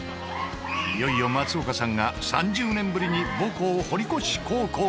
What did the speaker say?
いよいよ松岡さんが３０年ぶりに母校堀越高校へ。